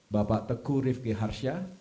bapak teku rifki harsya